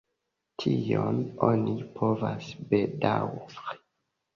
Tion oni povas bedaŭri.